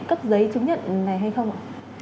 cấp giấy chứng nhận này hay không ạ